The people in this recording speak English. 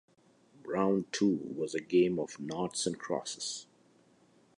Round two was a game of noughts and crosses.